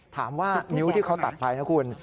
ถามว่านิ้วที่เขาตัดไปนะคุณ